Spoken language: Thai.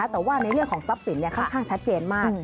แต่ว่าในเรื่องของทรัพย์สินค่อนข้างชัดเจนมาก